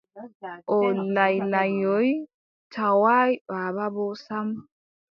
O laylanyoy, tawaay baaba boo sam ;